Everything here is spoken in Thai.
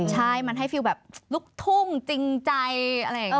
ใช่มันให้ฟิลแบบลุกทุ่งจริงใจอะไรอย่างนี้